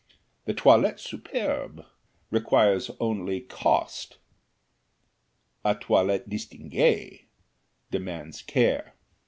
The toilette superbe requires only cost a toilette distinguée demands care.